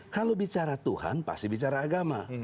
kalau bicara tuhan pasti bicara agama